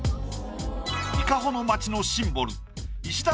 伊香保の街のシンボル石段